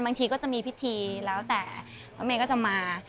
บางทีก็จะมีพิธีแล้วแต่พระเมย์ก็จะมา